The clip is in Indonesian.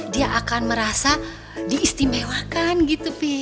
dia akan merasa diistimewakan gitu